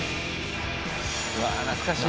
うわ懐かしい。